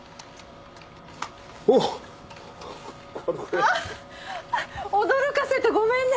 あっ驚かせてごめんね。